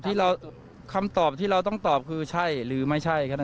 คือคำตอบที่เราต้องตอบคือใช่หรือไม่ใช่